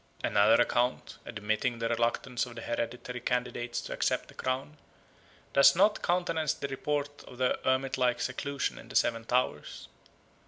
Another account, admitting the reluctance of the hereditary candidates to accept the crown, does not countenance the report of their hermit like seclusion in the seven towers.